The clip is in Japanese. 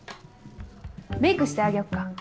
メイクしてあげよっか？